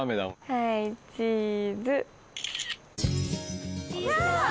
はいチーズ。